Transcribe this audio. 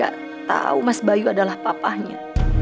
gak tau mas bayu adalah papahnya